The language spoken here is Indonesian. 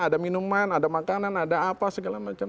ada minuman ada makanan ada apa segala macam